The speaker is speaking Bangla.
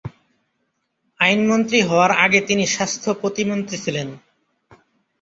আইনমন্ত্রী হওয়ার আগে তিনি স্বাস্থ্য প্রতিমন্ত্রী ছিলেন।